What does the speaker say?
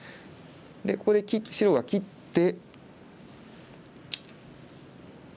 でここで白が切って。